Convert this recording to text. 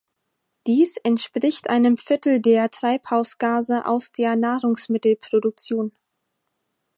Dies entspricht einem Viertel der Treibhausgase aus der Nahrungsmittelproduktion.